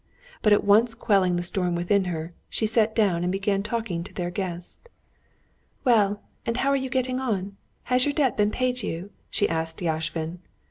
But at once quelling the storm within her, she sat down and began talking to their guest. "Well, how are you getting on? Has your debt been paid you?" she asked Yashvin.